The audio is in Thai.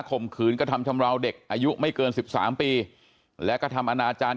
คมขืนก็ทำชำระว่าเด็กอายุไม่เกิน๑๓ปีแล้วก็ทำอาณาจารย์